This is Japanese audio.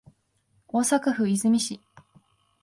大阪府和泉市